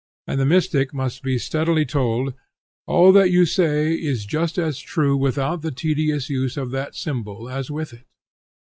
And the mystic must be steadily told, All that you say is just as true without the tedious use of that symbol as with it.